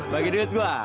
bagi duit gua